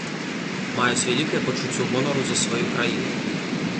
Маюць вялікае пачуццё гонару за сваю краіну.